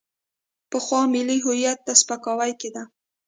پخوا ملي هویت ته سپکاوی کېده.